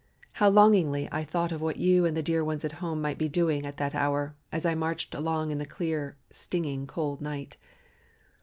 How longingly I thought of what you and the dear ones at home might be doing at that hour as I marched along in the clear, stinging cold night.